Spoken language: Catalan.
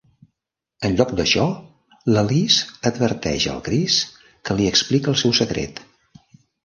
En lloc d'això, la Liz adverteix el Cris, qui li explica el seu secret.